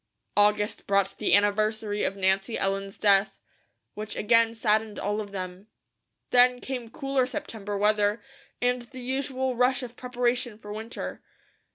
August brought the anniversary of Nancy Ellen's death, which again saddened all of them. Then came cooler September weather, and the usual rush of preparation for winter.